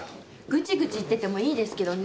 グチグチ言っててもいいですけどね